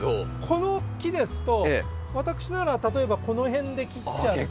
この木ですと私なら例えばこの辺で切っちゃって。